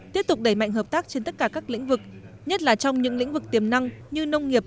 tiếp tục đẩy mạnh hợp tác trên tất cả các lĩnh vực nhất là trong những lĩnh vực tiềm năng như nông nghiệp